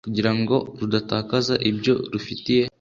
Kugira ngo rudatakaza ibyo rufitiye